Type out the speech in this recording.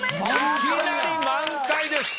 いきなり満開です。